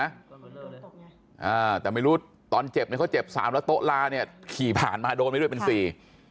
อ่าแต่ไม่รู้ตอนเจ็บเนี้ยเขาเจ็บสามแล้วโต๊ะลาเนี่ยขี่ผ่านมาโดนไปด้วยเป็นสี่